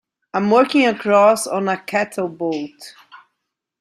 I'm working across on a cattle boat.